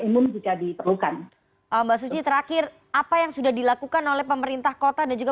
umum jika diperlukan mbak suci terakhir apa yang sudah dilakukan oleh pemerintah kota dan juga